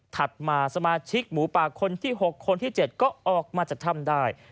มาสมาชิกหมูป่าคนที่๖คนที่๗ก็ออกมาจากถ้ำได้